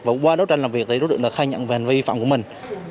và qua đấu tranh làm việc thì đối tượng đã khai nhận về hành vi vi phạm của mình